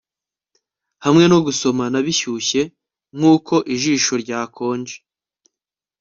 hamwe no gusomana bishyushye nkuko ijisho ryakonje